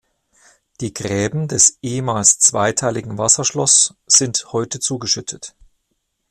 Die Gräben des ehemals zweiteiligen Wasserschloss sind heute zugeschüttet.